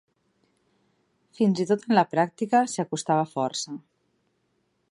Fins i tot en la pràctica s'hi acostava força.